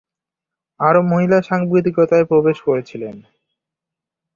আরও মহিলা সাংবাদিকতায় প্রবেশ করেছিলেন।